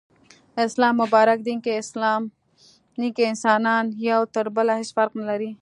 اسلام مبارک دين کي انسانان يو تر بله هيڅ فرق نلري